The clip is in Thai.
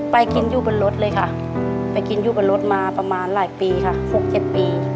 ไปกินอยู่บนรถเลยค่ะไปกินอยู่บนรถมาประมาณหลายปีค่ะ๖๗ปี